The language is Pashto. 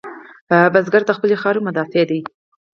بزګر د خپلې خاورې مدافع دی